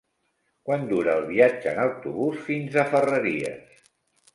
Quant dura el viatge en autobús fins a Ferreries?